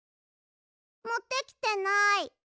もってきてない。